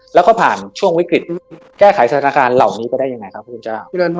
แล้วก็ผ่านช่วงวิกฤตแก้ไขสถานการณ์เหล่านี้ไปได้ยังไงครับพระคุณเจ้า